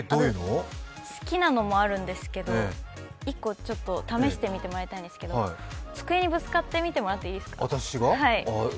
好きなのもあるんですけど１個、ちょっと試してみてもらいたんですけど机にぶつかってみていいですか？